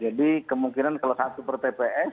jadi kemungkinan kalau satu pertanyaan